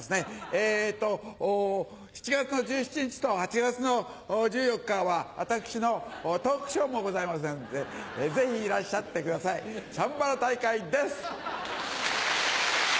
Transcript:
えっと７月の１７日と８月の１４日は私のトークショーもございますのでぜひいらっしゃってくださいチャンバラ大会です！